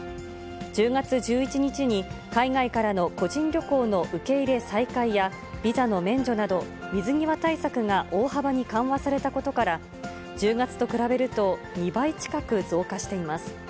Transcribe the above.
１０月１１日に海外からの個人旅行の受け入れ再開や、ビザの免除など、水際対策が大幅に緩和されたことから、１０月と比べると、２倍近く増加しています。